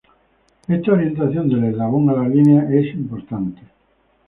Esta orientación del eslabón a la línea es importante.